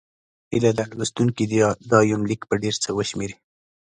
هيله ده لوستونکي دا یونلیک په ډېر څه وشمېري.